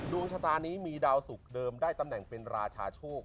ดวงชะตานี้มีดาวสุขเดิมได้ตำแหน่งเป็นราชาโชค